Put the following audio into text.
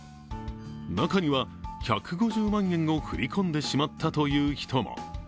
中には１５０万円を振り込んでしまったという人も。